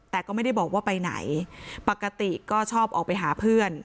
แต่ก็ไม่ได้บอกว่าไปไหนปกติก็ชอบออกไปหาเพื่อน